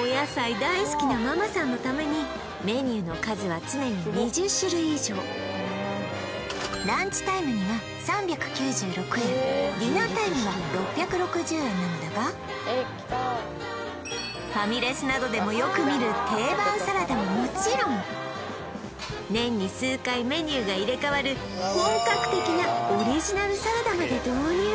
お野菜大好きなランチタイムには３９６円ディナータイムは６６０円なのだがファミレスなどでもよく見る定番サラダももちろん年に数回メニューが入れ代わる本格的なオリジナルサラダまで導入